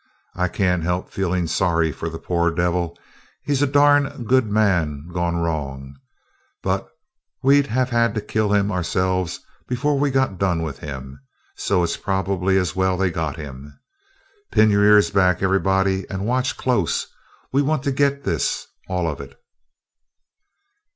I can't help feeling sorry for the poor devil he's a darn good man gone wrong but we'd have had to kill him ourselves before we got done with him; so it's probably as well they got him. Pin your ears back, everybody, and watch close we want to get this, all of it."